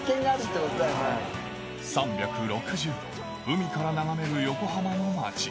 ３６０度海から眺める横浜の街